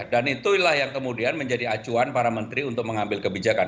dan itulah yang kemudian menjadi acuan para menteri untuk mengambil kebijakan